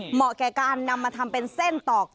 เหมาะแก่การนำมาทำเป็นเส้นตอก